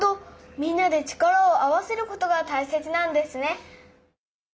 みんなで力を合わせることがたいせつなんですね。